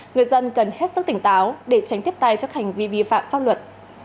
người dân cần hết sức tỉnh táo để tránh tiếp tay cho các hành vi vi phạm pháp luật